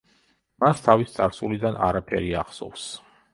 მას თავის წარსულიდან არაფერი ახსოვს.